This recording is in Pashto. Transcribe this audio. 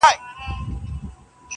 • غل په غره کي هم ځای نه لري -